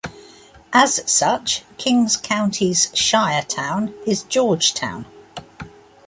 As such, Kings County's shire town is Georgetown.